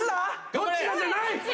「どっちだ？」じゃない！